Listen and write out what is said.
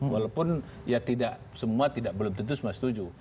walaupun ya tidak semua belum tentu semua setuju